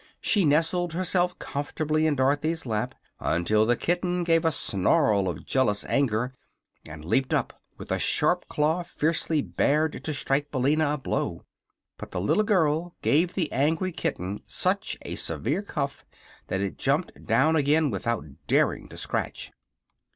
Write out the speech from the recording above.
She nestled herself comfortably in Dorothy's lap until the kitten gave a snarl of jealous anger and leaped up with a sharp claw fiercely bared to strike Billina a blow. But the little girl gave the angry kitten such a severe cuff that it jumped down again without daring to scratch.